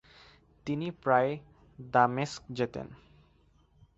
তিনি প্রায় দামেস্ক যেতেন।